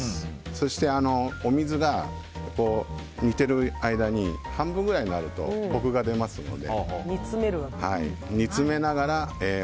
そして、お水が煮ている間に半分くらいになるとコクが出ますので。